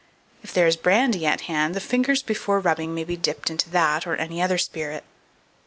If there is brandy at hand, the fingers before rubbing may be dipped into that, or any other spirit.